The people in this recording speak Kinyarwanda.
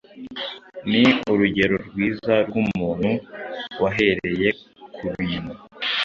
Ni urugero rwiza rw’umuntu wahereye ku bintu